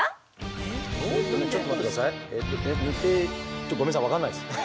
ちょっとごめんなさい分かんないです。